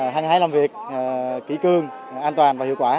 hành hãi làm việc kỹ cương an toàn và hiệu quả